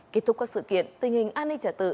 kết thúc các sự kiện tình hình an ninh trả tự